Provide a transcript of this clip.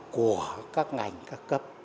của các ngành các cấp